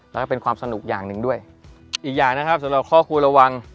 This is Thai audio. และเป็นความสนุกอย่างหนึ่งด้วยอีกอย่างสำหรับข้อควรระวัง